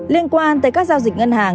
liên quan tới các giao dịch ngân hàng